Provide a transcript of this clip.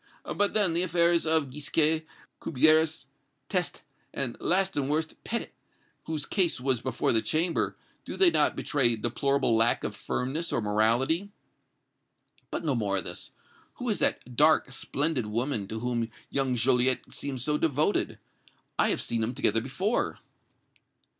But, then, the affairs of Gisquet, Cubières, Teste, and, last and worst, Petit, whose case was before the Chamber, do they not betray deplorable lack of firmness or morality? But no more of this. Who is that dark, splendid woman to whom young Joliette seems so devoted? I have seen them together before!"